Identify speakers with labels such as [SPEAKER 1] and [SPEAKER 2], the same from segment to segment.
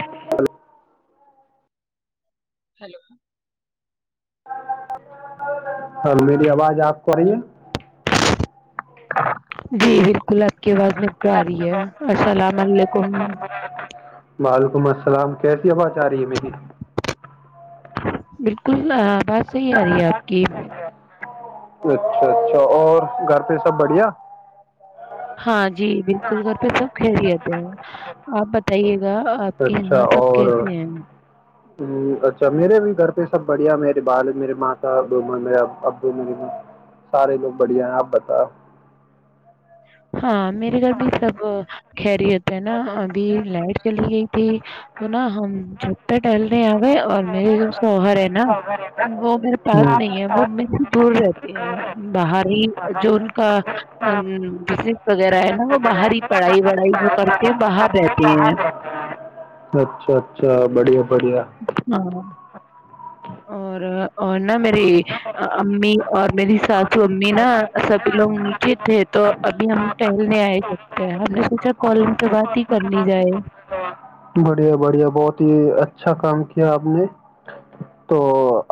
[SPEAKER 1] hello
[SPEAKER 2] hello
[SPEAKER 1] ہاں میری آواز آپ کو آ رہی ہے
[SPEAKER 2] جی بالکل آپ کی آواز م تو آ رہی ہے السلام علیکم
[SPEAKER 1] وعلیکم السلام کیسی آواز آ رہی ہے میری
[SPEAKER 2] بالکل بس صحی آ رہی ہے آپ کی
[SPEAKER 1] اچھا اچھا اور گھر پہ سب بڑھیا
[SPEAKER 2] ہاں جی بالکل گھر پہ سب کھیل بھی جتے ہیں آ بتائی آپ کے یہاں سب کیسے ہیں
[SPEAKER 1] ہ اچھا میرے بھی گھر پہ سب بڑھیا میرے بال میرے مات میر ابو م سارے لوگ بڑھیا ہیں آپ بتا
[SPEAKER 2] ہاں میرے گھر بھی سب خری ہوتا ہے نا ابھی لائٹ چلی گئی ت تو نہا ہم چھپتے ٹہلنے آ گئے اور میرے شوہر ہے نا وہ میرے پاس
[SPEAKER 1] ہوں
[SPEAKER 2] نہیں ہے وہ م سے دور رہتی ہے باہر ہی جو ان کا ا ہ ز وغیرہ ہے نا وہ باہر ہی پڑھائی وڑھائی جو پر باہر رہتے ہیں
[SPEAKER 1] اچھا اچھا بڑیا
[SPEAKER 2] ہاں اور اور ن میری امی اور میری ساسو امی نا سبھی لوگ نیچے تھے تو ابھی ہم ٹہلنے آئے سکتے ہیں ہم نے سوچا کالنگ تو بات ہی کر لی جائے
[SPEAKER 1] بڑھیا بڑھیا بہت ہی اچھا کام کیا آپ نے تو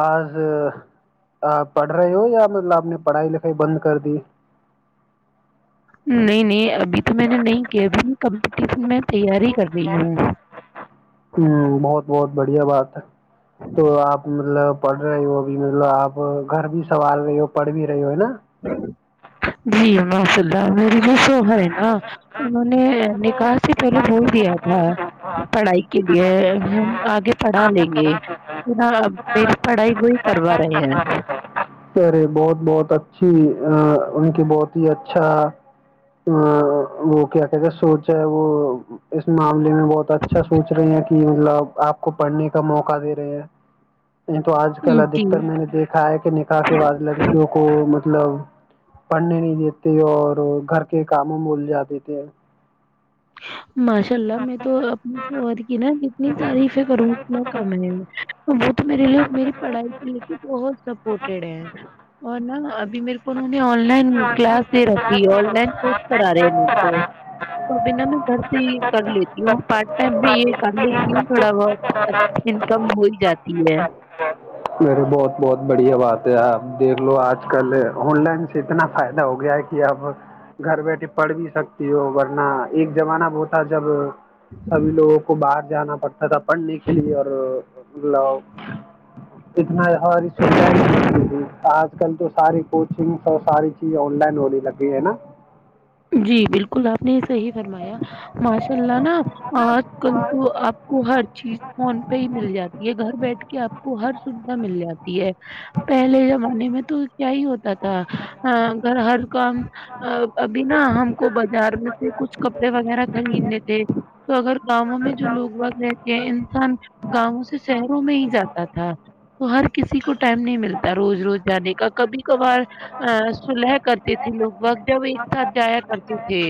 [SPEAKER 1] آج آپ پڑھ رہے ہو یا مطلب آپ نے پڑھائی لکھائی بند کر دی
[SPEAKER 2] نہیں نہیں ابھی تو میں نے نہیں کیا اب کمپٹیشن میں تیاری کر رہی ہوں
[SPEAKER 1] ہ بہت بہت بڑھیا بات [unintelligible] تو آپ مطلب پڑھ رہے ہو بھی مطلب آپ گھر بھی سنوال رہے ہو پڑھ بھی رہے ہو ہے نا
[SPEAKER 2] ہاں جید میری جو سوہر ہے نا انہوں نے نکاح سے پہلے بھول دیا تھا پڑھائی کے لیے ہم آگے پڑھا لیں گے نہ میری پڑھائی وہی کروا رہے ہیں
[SPEAKER 1] ارے بہت بہت اچھی ان کی بہت ہی اچھا ا وہ کیا کہتے سوچ ہے وہ اس معاملے میں بہت اچھا سوچ رہے ہیں کہ مطلب آپ کو پڑھنے کا موقع دے رہے ہیں نہیں تو آج کل
[SPEAKER 2] جی
[SPEAKER 1] ادکتر میں نے دیکھا ہے کہ کے بعد لڑکیوں کو مطلب پڑھنے نہیں دیتے اور گھر کے کاموں میںول جا دیتے
[SPEAKER 2] ماشاء اللہ میں تو اپنی ست کی نا جتنی تعریف ہے کروں اتنا کم ہے وہ تو میرے لیے میری پڑھائی کے لے کے بہت سپورٹیڈ ہے اور نا ابھی میرے کو نے آن لائن کلاس د رکھی آن لائن کورس کرا رہے ہیں ان کو توبنا میں گھر کر لیتی ہوں پارٹ ٹائم میں یہ کر دیتی ہوں تھوڑا بہت انکم ہوئی جاتی ہے
[SPEAKER 1] مے بہت بہت بڑھیا بات ہے آپ دیکھ لو آج کل آن لائن سے اتنا فائدہ ہو گیا ہے کہ آپ گھر بیٹھے پڑھ بھی سکتی ہو ورنہ ایک زمانہ بتا جب سبھی لوگوں کو بات جانا پڑتا اا پڑھنے کے لی اور ل اتنا ساری سویدھائ نہیں ملتی تھی آج کل تو ساری کوچنگ اور ساری چیز آن لائن ہونے لگی ہے نا
[SPEAKER 2] جی بالکل آپ نے یہ صحیح فرمایا ماشاء اللہ نا آج کل تو آپ کو ہر چیز فون پہ ہی مل جاتی ہے گھر بیٹھ کے آپ کو ہر سوھا مل جاتی ہے پہلے زمانے میں تو کیا ہی ہوتا تھا گھر ہر کام بنا ہم کو بازار میں سے کچھ کپڑے وغیرہ خریدنے تھے تو اگر گاؤوں میں جو لوگ وقت رہتے ہیں انسان گاؤں سے شہروں میں ہی جاتا تھا تو ہر کسی کو ٹائم نہیں ملتا روز روز جانے کا کبھی کبھار سلح کرتے تھے لوگ وقت جب س جایا کرتی تھے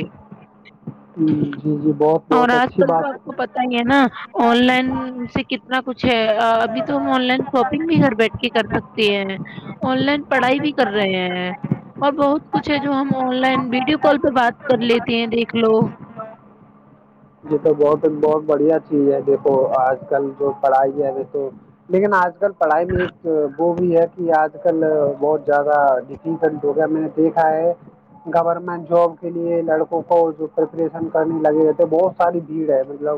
[SPEAKER 1] جی جی بہت
[SPEAKER 2] اور
[SPEAKER 1] بہت
[SPEAKER 2] آج
[SPEAKER 1] اچھی
[SPEAKER 2] کل تو
[SPEAKER 1] بات
[SPEAKER 2] آپ کو پتا ہی نا
[SPEAKER 1] ہے
[SPEAKER 2] آن لائن سے کتنا کچھ ہے ابھی تو ہم آن لائن شاپنگ بھی گھر بیٹھ کے کر سکتے ہیں آن لائن پڑھائی بھی کر رہے ہیں اور بہت کچھ ہے جو ہم آن لائن ویڈیو کال پہ بات کر لیتی ہیں دیکھ لو
[SPEAKER 1] ج تو بہت ان ب بڑھیا چیز ہے دیکھو آج کل جو پڑھائی ہے و تو لیکن آج کل پڑھائی میں ایک وہ بھی ہے کہ آج آج کل بہت زیادہ ڈفیکلٹ ہو گیا میں نے دیکھا ہے گورنمنٹ جاب کے لیے لڑکوں کو جو پریپریشن کرنے لگے ہوئے تھے بہت ساری بھیڑ ہے مطلب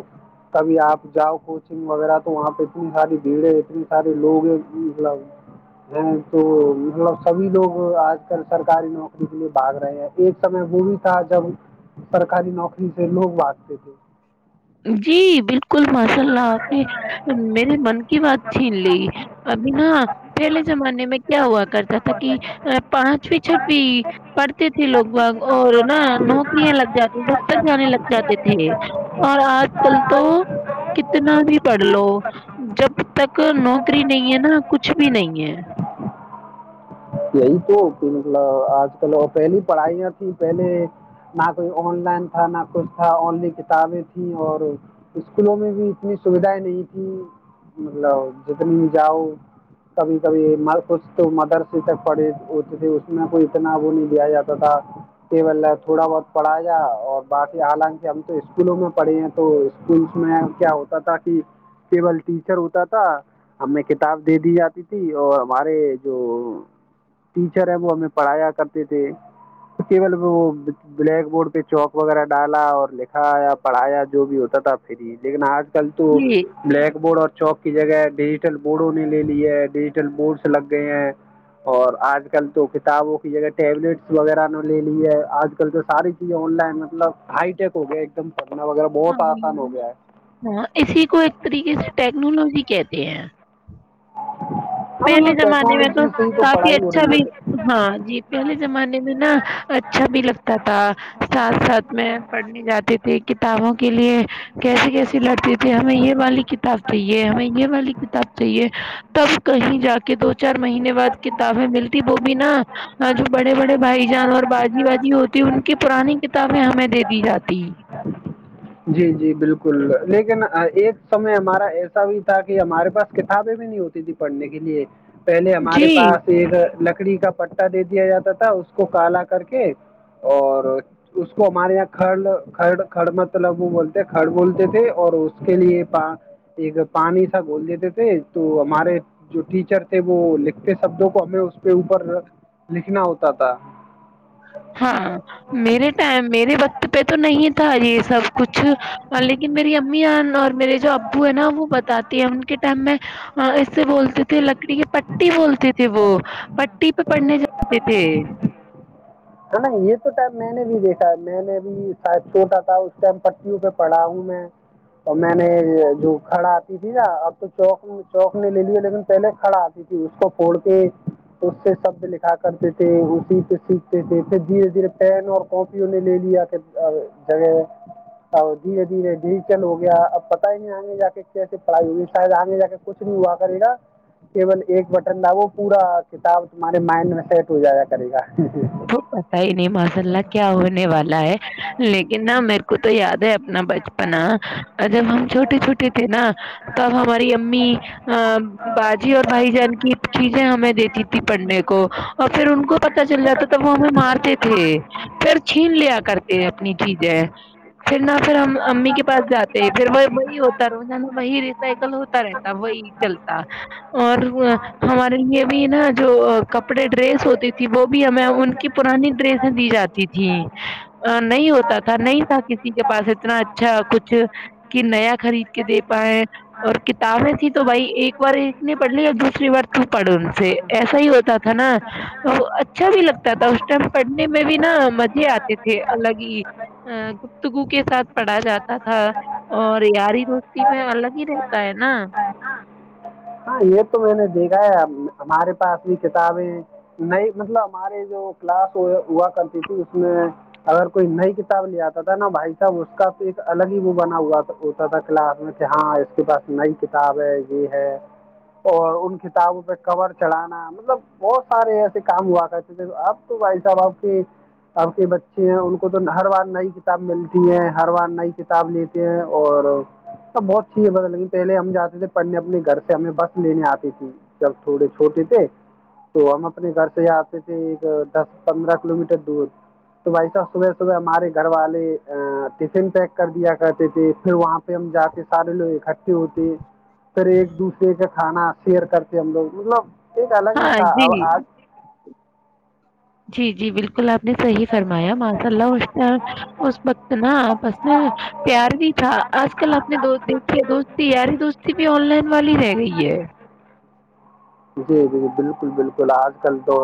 [SPEAKER 1] کبھی آپ جاؤ کوچنگ وغیرہ تو وہاں پہ اتنی ساری بھیڑ ہے اتنے سارے لوگ مطلب ہیں تو مطلب سبھی لوگ آج کل سرکاری نوکری کے لیے باگ رہے ہیں ایک سمے وہ بھی تھا جب سرکاری نوکری سے لوگ باگتے تھے
[SPEAKER 2] جی بالکل کل ماشاء اللہ آپ نے میرے من کی بات چھین لی ابھیناا پہلے زمانے میں کیا ہوا کرتا تھا کہ پانچویں چھٹویں پڑھتے تھے لوگ بگ اور نہا نوکریاں لگ جاتی دفتر جانے لگ جاتے تھے اور آج کل تو کتنا بھی پڑھ لو جب تک نوکری نہیں ہے نا کچھ بھی نہیں ہے
[SPEAKER 1] یہی تو کہ مطلب آج کل اور پہلی پڑھائیاں تھی پہلے نہ کوئی آن لائن تھا نہ کچھ تھا آنلی کتابیں تھیں اور اسکولوں میں بھی اتنی سوھائیں نہیں تھی مطلب جتنی بھی جاؤ کبھی کبھی کچھ تو مدرس پڑ ہوتے تھے اس میں کوئی اتنا وہ نہیں دیا جاتا تھاول تھوڑا بہت پڑھا جیا اور باقی حالانکہ ہم تو اسکولوں میں پڑھے ہیں تو اسکولس میں کیا ہوتا تھا کہ ل ٹیچر ہوتا تھا ہمیں کتاب دے دی جاتی تھی اور ہمارے جو ٹیچر ہے وہ ہمیں پڑھایا کرتے تھے کیول وہ بلیک بورڈ پہ چوک وغیرہ ڈالا اور لکھایا پڑھایا جو بھی ہوتا تھا پری لیکن آج کل تو
[SPEAKER 2] جی
[SPEAKER 1] بلیک بورڈ اور چوک کی جگہ ہے ڈیجیٹل بورڈوں نے لے لی ہے ڈیجیٹل بورڈس لگ گئے ہیں اور آج کل تو کتابوں کی جگہ ٹیبلیٹس وغیرہ نے لے لی ہے آج کل تو ساری چیزیں آن لائن مطلب ہائی ٹیک ہو گیا ایک دم پڑھنا وغیرہ بہت
[SPEAKER 2] ہاں
[SPEAKER 1] آسان ہو گیا ہے
[SPEAKER 2] ہاں اسی کو ایک طریقے سے ٹیکنالوجی کہتے کہ ہیں
[SPEAKER 1] ہاں
[SPEAKER 2] پہلے
[SPEAKER 1] مطلب
[SPEAKER 2] زمانے میں تو
[SPEAKER 1] ٹیکنالوجی سے ہی
[SPEAKER 2] کافی
[SPEAKER 1] پڑھائی ہو
[SPEAKER 2] اچھا بھی
[SPEAKER 1] رہی
[SPEAKER 2] ہاں جی پہلے زمانے میں نا اچھا بھی لگتا تھا
[SPEAKER 1] ہے
[SPEAKER 2] ساتھ ساتھ میں پڑھنے جاتی تھی کتابوں کے لیے کیسے کیسے لڑتی تے ہمیں یہ والی کتاب چاہیے ہمیں والی کتاب چاہیے تب کہیں جا کے دو چار مہینے بعد کتابیں ملتی وہ بھی نا جو بڑے بڑے بھائی جان اور بازی بازی ہوتی ان کی پرانی کتابیں ہمیں دے دی جاتی
[SPEAKER 1] جی جی بالکل لیکن ایک سمے ہمارا ایسا بھی تھا کہ ہمارے پاس کتابیں بھی نہیں ہوتی تھی پڑھنے کے لیے پہلے ہمارے
[SPEAKER 2] جی
[SPEAKER 1] پاس ایک لکڑی کا پٹا دے دیا جاتا تھا اس کو کالا کر کے اور اس کو ہمارے یہاں کڑ ک کڑ مطلب وہ بولتے کھڑ بولتے تھے اور اس کے لیے ایک پانی سا گول دیتے تھے تو ہمارے جو ٹیچر تھے وہ کے شبدوں کو ہمیں اس پہ اوپر لکھنا ہوتا تھا
[SPEAKER 2] ہاں میرے ٹائم میرے وقت پہ تو نہیں تھا یہ سب کچھ لیکن میری امی اور میرے جو ابو ہے نا وہ بتاتی ہے ان کے میں اس سے بولتے تھے لکڑی کی پٹی بولتے تھے وہ پٹی پہ پڑنے جاتے تھے
[SPEAKER 1] نا یہ تو ٹائم میں نے بھی دیکھا ہے میں نے بھی شاید چوٹا تھا اس ٹائم پٹیوں پہ پڑا ہوں میں اور میں نے جو کھڑا آتی تھی نا اب تو چوک چوک نے لے لی لیکن پہلے کھڑا آتی تھی اس کو پھوڑ کے اس سے شبد لکھا کرتے تھے اسی پہ س پھر دھیرے دھیرے پین اور کاپی ان نے لے لیا کہ جگہ ا دھیرے دھیرے ڈیجیٹل ہو گیا اب پت ہی نہیں آئیں گے جا کے ے پڑھائی ہوڑ فا آ ج کچھ نہیں ہوا کرے گا کیول ایک بٹن ل وہو پورا کتاب تمہارے مائنڈ میں سیٹ ہو جایا کرے گا
[SPEAKER 2] تو پتا ہی نہیں ماشاء اللہ کیا ہونے والا ہے لیکن ن میرے کو تو یاد ہے اپنا بچپنا جب ہم چھوٹے چھوٹے تھے نا تب ہماری امی باجی اور بھائی جان کی چیزیں ہمیں دیتی تھی پڑھنے کو اور پھر ان کو پت چل جاتا تھا وہ مارتے تھے پھر چھین لیا کرتے اپنی چیزیں پھر نہ پھر ہم امی کے پاس جاتے پھر وہ وہی ہوتا رہو ن ن وہی ریسائیکل ہوتا رہتا وہی چلتا اور ہمارے لیے بھی نا جو کپڑے ڈریس ہوتی تھی وہ بھی ہمیں کی پرانی ڈریس ہے دی جاتی تھی نہیں ہوتا تھا نہیں تھا کسی کے پاس اتناچ اچھا کچھ کہ نیا خرید کے دے پائائے اور کتابیں تھیں تو بھائی ایک بار ایک نے پڑھ ل یا دوسری بار تو پڑھ ان سے ایسا ہی ہوتا تھا نا اچھا بھی لگتا تھا اس ٹائم پڑھنے میں بھی نا مزے آتے تھے الگ ہی ا گفتگو کے ساتھ پڑھا جاتا تھا اور یاری دوستی میں الگ ہی رہتا ہے نا
[SPEAKER 1] ہاں یہ تو میں نے دیکھا ہے ہمارے پاس بھی کتابیں نئی مطلب ہمارے جو کلاس ہوا کرتی تھی اس میں اگر کوئی نئی کتاب لے آتا تھا نا بھائی صاحب اس کا تو ایک الگ ہی وہ بنا ہوا ہوتا تھا کلاس میں کہ ہاں اس کے پاس نئی کتاب ہے یہ ہے اور ان کتابوں پہ کور چڑھانا مطلب بہت سارے ایسے کام ہوا کرتے تھ اپ تو بھائی صاحب آپ کے آپ کے ب ا ان کو تو نہر والاز نہیں کتاب ملتی ہے ہر بار نئی کتاب لیتے ہیں اور سب بہت اچھی ہے ب لن پہلے ہم جاتے تھے پڑھنے اپنے گھر ہمیں بس لینے آتی تھی جب تھوڑے چھوٹے تھے تو ہم اپنے گھر سے آتے تھے ایک دس پندرہ کلو میٹر دور تو ویسا صبح صبح ہمارے گھر والے ٹفن پیک کر دیا کرتے تھے پھر وہاں پہ ہم جاتے سارے لوگ اکٹھے ہوتے پھر ایک دوسرے کا کھانا شیئر کرتے ہم لوگ مطلب ایک الگ ہی
[SPEAKER 2] ہاں
[SPEAKER 1] تھا
[SPEAKER 2] جی
[SPEAKER 1] اب آج
[SPEAKER 2] جی جی بالکل آ کل آپ نے صحی فرمایا ماشاء اللہ اس اس وقت نا بس میں پیار بھی تھا آج کل آپ نے دیکھی دوستی یاری دوستی بھی آن لائن والی رہ گئی ہے
[SPEAKER 1] جی جی جی بالکل بالکل آج کل تو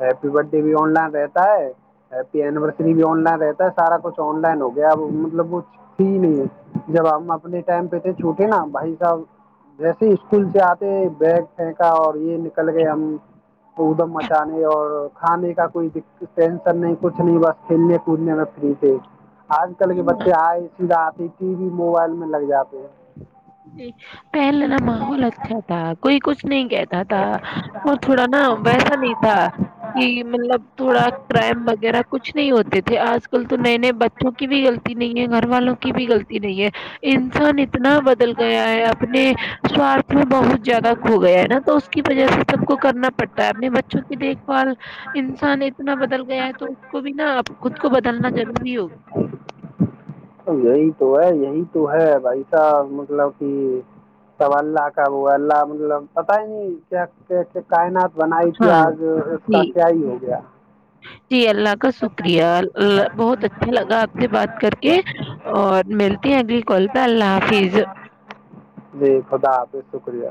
[SPEAKER 1] ہیپی برت ڈے بھی آن لائن رہتا ہے ہیپی اینیورسری بھی آن لائن رہتا ہے سارا کچھ آن لائن ہو گیا اب مطلب ت نہیں ہے جب آپ اپنے ٹائم پہ تھے چھوٹے نا بھائی صاحب جیسے ہی اسکول سے آتے بیگ پھینکا اور یہ نکل گئے ہم ادم مچانے اور کھانے کا کوئی ٹ نہیں کچھ نہیں بس کھیلنے کودنے میں فری سےے آج کل کے بچے آئے سیدھا آ ج ٹی وی موبائل میں لگ جاتا
[SPEAKER 2] ج پہلا ماحول اچھا تھا کوئی کچھ کچ نہیں کہتا تھا اور تھوڑا نا ویسا نہیں تھا کہ مطلب تھوڑا کرائم وغیرہ کچھ نہیں ہوتے تھے آج کل تو نئے نئے بچوں کی بھی غلی نہیں ہے گھر والوں کی بھی غلطی نہیں ہے انسان بدل گیا ہے اپنے سوارھ میں بہت زیادہ کھو گیا ہے نا تو کی وجہ سے سب کو کرنا پڑتا ہے اپنے بچوں کی دیکھ بھال انسان اتنا بدل گیا ہے تو اس کو بھی نا اب خود کو بدلنا ضروری ہوگا
[SPEAKER 1] یہی تو ہے یہی تو ہے بھائی سا مطلب کہ سب اللہ کا وہ اللہ مطلب نہیں کیا کا بنائی تھی
[SPEAKER 2] ہاں
[SPEAKER 1] آج اس کا
[SPEAKER 2] جی
[SPEAKER 1] کیا ہی ہو گیا
[SPEAKER 2] جی اللہ کا شکریہ ال اللہ بہت اچھا لگا آپ سے بات کر کے اور ملتے ہیں اگلی کال پہ اللہ حافظ
[SPEAKER 1] جی خدا شکریہ